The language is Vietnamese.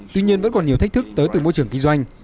tuy nhiên vẫn còn nhiều thách thức tới từ môi trường kinh doanh